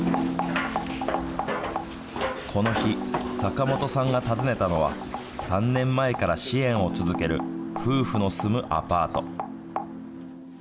この日、坂本さんが訪ねたのは、３年前から支援を続ける夫婦の住むアパート。